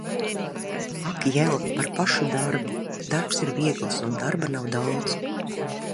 Ak jel! Par pašu darbu. Darbs ir viegls un darba nav daudz.